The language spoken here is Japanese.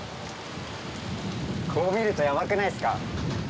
こう見るとヤバくないっすか？